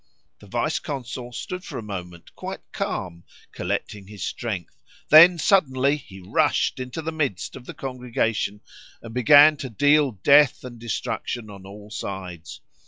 The vice consul stood for a moment quite calm, collecting his strength; then suddenly he rushed into the midst of the congregation, and began to deal death and destruction on all sides.